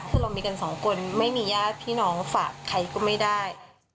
คือเรามีกันสองคนไม่มีญาติพี่น้องฝากใครก็ไม่ได้